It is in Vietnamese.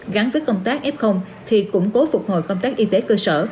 gắn với công tác f thì củng cố phục hồi công tác y tế cơ sở